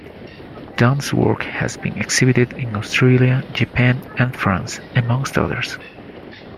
Done's work has been exhibited in Australia, Japan, and France, amongst others.